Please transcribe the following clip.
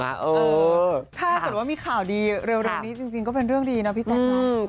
ถ้าเกิดว่ามีข่าวดีเร็วนี้จริงก็เป็นเรื่องดีนะพี่แจ๊คนะ